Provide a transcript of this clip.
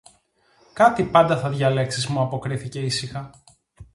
Κάτι πάντα θα διαλέξεις, μου αποκρίθηκε ήσυχα